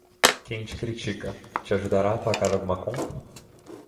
Quem te critica, te ajudará a pagar alguma conta?